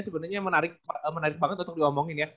sebenarnya menarik banget untuk diomongin ya